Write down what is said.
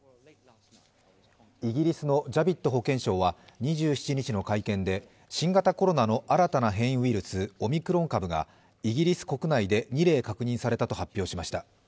イギリスのジャヴィッド保健相は２７日の会見で新型コロナの新たな変異ウイルス、オミクロン株がイギリス国内で２例確認されたと発表しました。